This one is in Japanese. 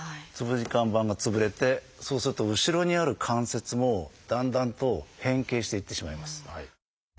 椎間板が潰れてそうすると後ろにある関節もだんだんと変形していってしまいます。